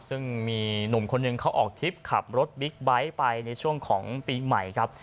ซึ่งมีหนุ่มคนหนึ่งเขาออกทริปขับรถบิ๊กไบท์ไปในช่วงของปีใหม่ครับ